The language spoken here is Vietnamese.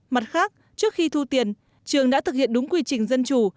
mặt khác trước khi thu tiền trường đã thực hiện đúng quy trình dân chủ